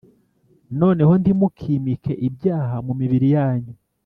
Noneho ntimukimike ibyaha mu mibiri yanyu